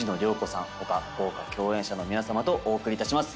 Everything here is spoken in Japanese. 他豪華共演者の皆さまとお送りいたします。